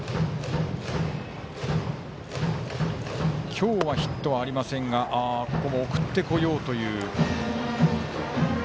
今日はヒットがありませんがここも送ってこようという。